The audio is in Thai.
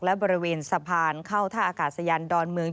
และบริเวณสะพานเข้าท่าอากาศยานดอนเมือง